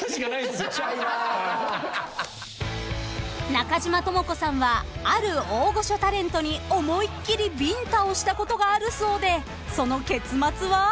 ［中島知子さんはある大御所タレントに思いっきりビンタをしたことがあるそうでその結末は？］